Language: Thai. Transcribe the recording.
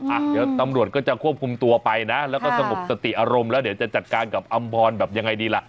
อ่ะเดี๋ยวตำรวจก็จะควบคุมตัวไปนะแล้วก็สงบสติอารมณ์แล้วเดี๋ยวจะจัดการกับอำพรแบบยังไงดีล่ะ